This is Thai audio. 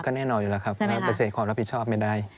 แน่นอนอยู่แล้วครับเกษตรความรับผิดชอบไม่ได้